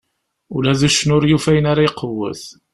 Ula d uccen ur yufi ayen ara iqewwet.